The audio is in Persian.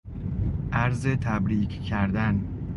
عرض تبریک کردن